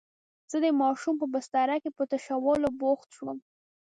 زه د ماشوم په بستره کې په تشولو بوخت شوم.